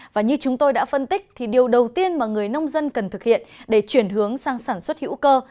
và như chúng tôi đã phân tích thì điều đầu tiên mà người nông dân cần thực hiện để chuyển hướng sang sản xuất hữu cơ